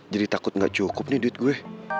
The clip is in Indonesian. jadi takut gak cukup nih duit gue